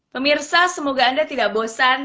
pemirsa semoga anda tidak bosan